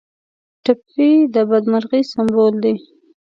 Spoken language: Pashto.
ټپي د بدمرغۍ سمبول دی.